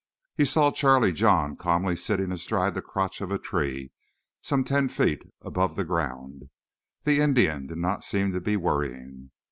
He saw Charlie John calmly sitting astride the crotch of a tree some ten feet from the ground. The Indian did not seem to be worrying.